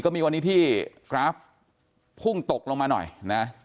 มีวันนี้ที่กราฟพุ่งตกลงมาหน่อยนะ